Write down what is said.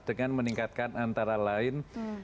dengan meningkatkan antara lain